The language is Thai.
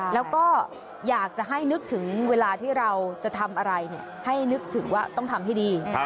แล้วก็อยากจะให้นึกถึงเวลาที่เราจะทำอะไรให้นึกถึงว่าต้องทำให้ดี